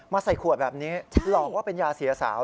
ใส่ขวดแบบนี้หลอกว่าเป็นยาเสียสาว